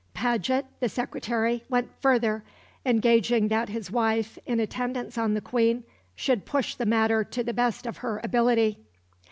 Paget, the Secretary, went further, engaging that his wife, in attendance on the Queen, should push the matter to the best of her ability.